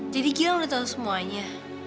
jadi gilang udah tau semuanya